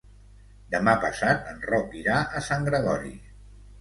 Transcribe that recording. Demà passat en Roc irà a Sant Gregori.